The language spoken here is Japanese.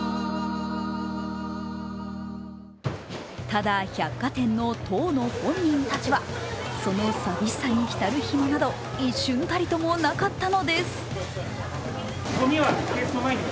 ただ、百貨店の当の本人たちはその寂しさにひたる暇など一瞬たりともなかったのです。